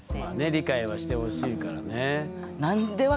理解はしてほしいからね。